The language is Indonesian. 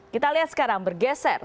kita lihat sekarang bergeser